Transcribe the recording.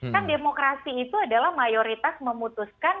kan demokrasi itu adalah mayoritas memutuskan